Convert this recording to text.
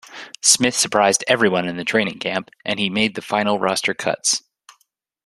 Smith surprised everyone in training camp, and he made the final roster cuts.